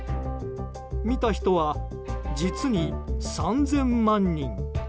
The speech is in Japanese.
見た人は実に３０００万人。